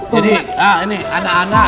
jadi ini anak anak